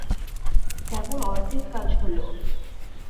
কেবল অর্ধেক কাজ হলো।